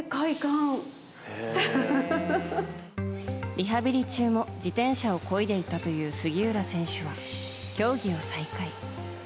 リハビリ中も自転車をこいでいたという杉浦選手は競技を再開。